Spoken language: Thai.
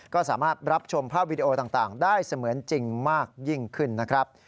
ก็สามารถรับชมภาพวิดีโอต่างได้เสมือนจริงมากยิ่งขึ้นนะครับ